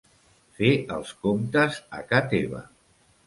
Fer els comptes a ca teva.